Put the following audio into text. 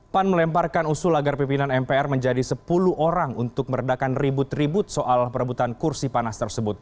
pan melemparkan usul agar pimpinan mpr menjadi sepuluh orang untuk meredakan ribut ribut soal perebutan kursi panas tersebut